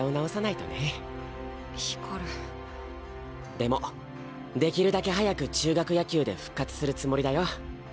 でもできるだけ早く中学野球で復活するつもりだよ。